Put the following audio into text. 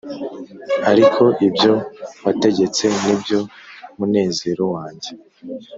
Ariko ibyo wategetse nibyo munezero wanjye